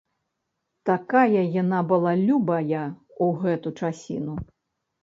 Такая яна была любая ў гэту часіну.